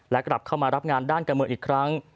และกลับเข้ามารับงานด้านการเมืองอีกครั้ง